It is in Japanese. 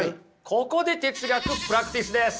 ここで哲学プラクティスです！